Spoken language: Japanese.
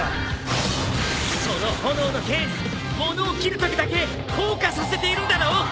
その炎の剣ものを切るときだけ硬化させているんだろ！